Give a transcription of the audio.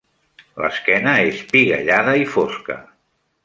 L'esquena és piguellada i fosca.